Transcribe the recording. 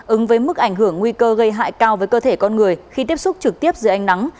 ứng với mức ảnh hưởng nguy cơ gây hại cao với cơ thể con người khi tiếp xúc trực tiếp dưới ánh nắng